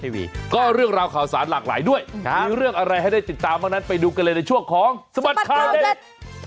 เรื่องราวข่าวสารหลากหลายด้วยมีเรื่องอะไรให้ได้ติดตามบ้างนั้นไปดูกันเลยในช่วงของสบัดข่าวเด็ก